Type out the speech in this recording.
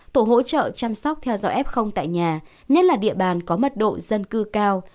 tổ hỗ trợ chăm sóc theo dõi f tại nhà nhất là địa bàn có mật độ dân cư cao